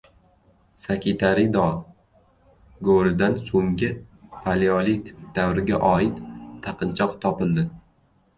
Sakitari-do g‘oridan so‘nggi paleolit davriga oid taqinchoq topildi